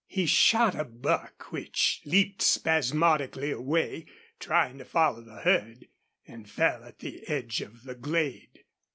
He shot a buck, which leaped spasmodically away, trying to follow the herd, and fell at the edge of the glade.